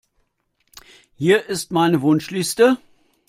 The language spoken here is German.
Hier ist meine Wunschliste.